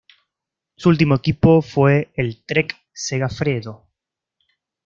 Su último equipo fue el Trek-Segafredo.